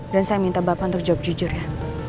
dan saya minta bapak untuk jawab jujurnya